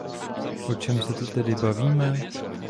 O čem se tu tedy bavíme?